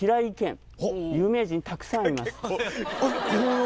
有名人たくさんいます。